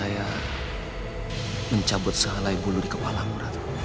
aku akan lakukan segala yang perlu di kepalamu ratu